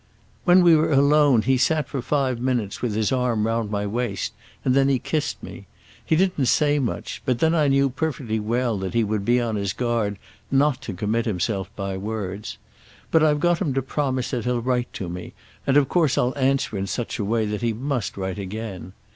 "When we were alone he sat for five minutes with his arm round my waist, and then he kissed me. He didn't say much, but then I knew perfectly well that he would be on his guard not to commit himself by words. But I've got him to promise that he'll write to me, and of course I'll answer in such a way that he must write again.